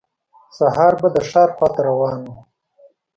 سهار به د ښار خواته روان و.